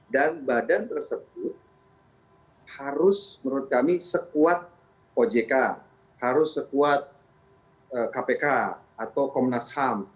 dan badan tersebut harus menurut kami sekuat ojk harus sekuat kpk atau komnas ham